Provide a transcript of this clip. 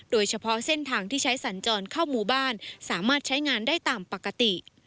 โดยเฉพาะเส้นทางที่ใช้สัญจรเข้าหมู่บ้านสามารถใช้งานได้ตามปกติ